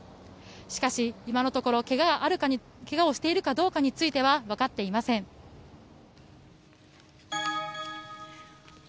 しかし、今のところ怪我をしているかどうかについてはわかっていません。